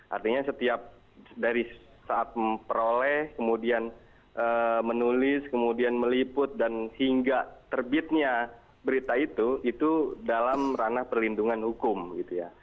artinya setiap dari saat memperoleh kemudian menulis kemudian meliput dan hingga terbitnya berita itu itu dalam ranah perlindungan hukum gitu ya